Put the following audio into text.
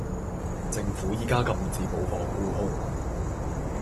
政府依家禁止冇貨沽空